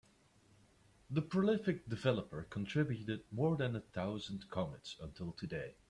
The prolific developer contributed more than a thousand commits until today.